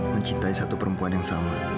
mencintai satu perempuan yang sangat keras